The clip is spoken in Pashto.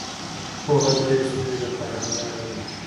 پوهه د هرې ستونزې لپاره حل لاره ده.